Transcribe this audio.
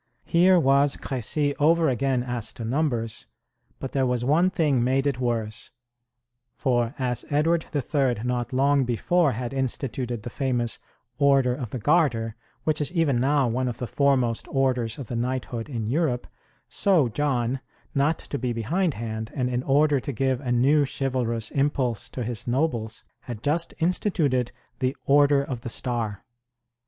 Here was Crecy over again as to numbers, but there was one thing made it worse; for, as Edward III not long before had instituted the famous "Order of the Garter" which is even now one of the foremost orders of knighthood in Europe, so John, not to be behindhand, and in order to give a new chivalrous impulse to his nobles, had just instituted the "Order of the Star."